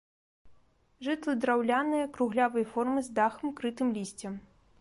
Жытлы драўляныя круглявай формы з дахам, крытым лісцем.